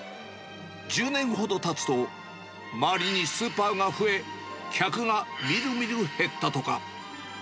１０年ほどたつと、周りにスーパーが増え、客がみるみる減ったとか。